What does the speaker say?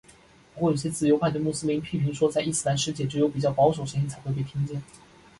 不过有些自由派的穆斯林批评说在伊斯兰世界只有比较保守声音才会被听见。